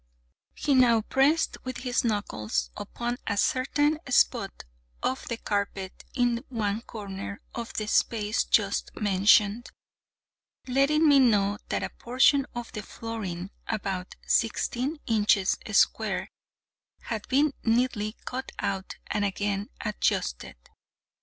He now pressed with his knuckles upon a certain spot of the carpet in one corner of the space just mentioned, letting me know that a portion of the flooring, about sixteen inches square, had been neatly cut out and again adjusted.